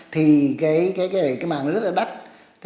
thì cái màng nó rất là đắt